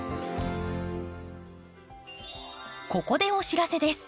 ここでお知らせです。